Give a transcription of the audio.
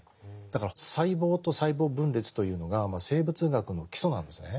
だから細胞と細胞分裂というのが生物学の基礎なんですね。